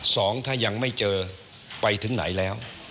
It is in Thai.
สองถ้ายังไม่เจอไปถึงไหนแล้ว